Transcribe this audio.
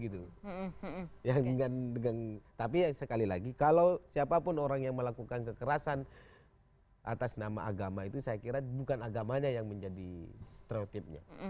tapi sekali lagi kalau siapapun orang yang melakukan kekerasan atas nama agama itu saya kira bukan agamanya yang menjadi stereotipnya